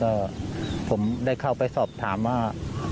ก็ผมได้เข้าไปสอบถามว่า